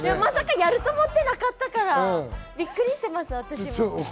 やると思っていなかったから、びっくりしています。